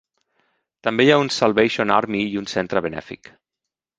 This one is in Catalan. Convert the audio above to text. També hi ha un Salvation Army i un centre benèfic.